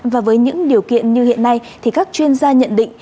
và với những điều kiện như hiện nay thì các chuyên gia nhận định